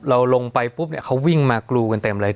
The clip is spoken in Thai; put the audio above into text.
เราลงไปปุ๊บเนี่ยเขาวิ่งมากรูกันเต็มเลย